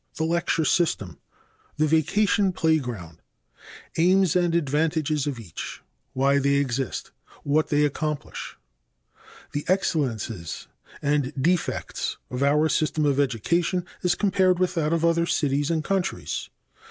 The lecture system. The vacation playground. Aims and advantages of each. Why they exist. What they accomplish. The excellences and defects of our system of education as compared with that of other cities and countries.